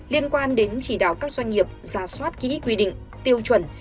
liên quan đến chỉ đạo các doanh nghiệp ra soát kỹ quy định tiêu chuẩn